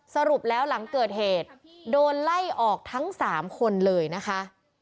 สรุปแล้วหลังเกิดเหตุโดนไล่ออกทั้ง๓คนเลยนะคะ